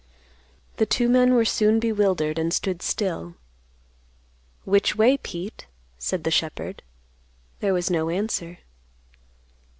The two men were soon bewildered and stood still. "Which way, Pete?" said the shepherd. There was no answer.